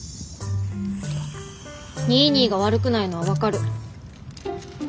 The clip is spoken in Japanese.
ニーニーが悪くないのは分かる。